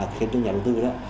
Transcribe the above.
khiến cho nhà đầu tư